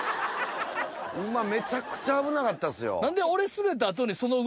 今めちゃくちゃ危なかったっすよ。